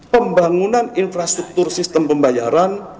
pembangunan infrastruktur sistem pembayaran